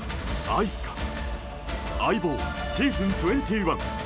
「相棒シーズン２１」。